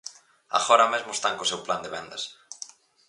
Agora mesmo están co seu plan de vendas.